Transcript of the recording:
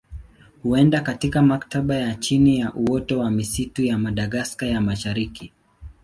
Huenda katika matabaka ya chini ya uoto wa misitu ya Madagaska ya Mashariki.